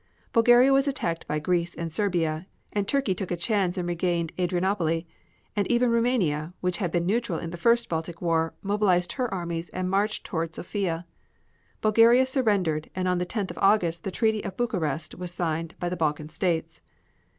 Bulgaria was attacked by Greece and Serbia, and Turkey took a chance and regained Adrianople, and even Roumania, which had been neutral in the First Baltic War, mobilized her armies and marched toward Sofia. Bulgaria surrendered, and on the 10th of August the Treaty of Bucharest was signed by the Balkan States.